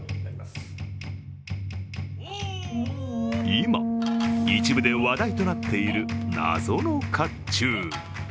今、一部で話題となっている謎のかっちゅう。